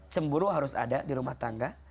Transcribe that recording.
cemburu harus ada di rumah tangga